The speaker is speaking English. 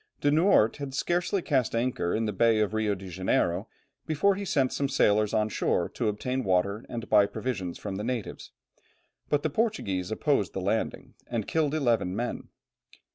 De Noort had scarcely cast anchor in the Bay of Rio Janeiro before he sent some sailors on shore to obtain water and buy provisions from the natives; but the Portuguese opposed the landing, and killed eleven men.